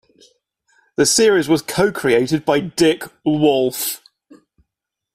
The series was co-created by Dick Wolf.